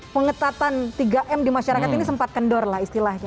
pengetatan tiga m di masyarakat ini sempat kendor lah istilahnya